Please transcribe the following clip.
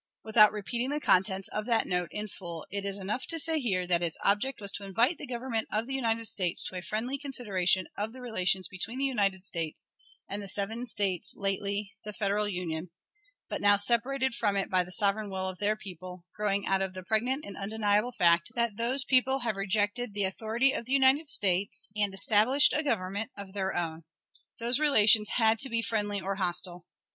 Without repeating the contents of that note in full, it is enough to say here that its object was to invite the Government of the United States to a friendly consideration of the relations between the United States and the seven States lately the Federal Union, but now separated from it by the sovereign will of their people, growing out of the pregnant and undeniable fact that those people have rejected the authority of the United States, and established a government of their own. Those relations had to be friendly or hostile.